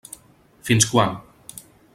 Fins quan?